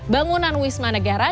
bangunan wisma negara